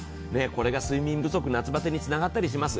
これが睡眠不足、夏バテにつながったりします。